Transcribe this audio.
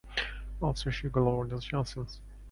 Also she grew up in Chandigarh and lived in Delhi.